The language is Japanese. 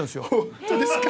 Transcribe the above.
本当ですか。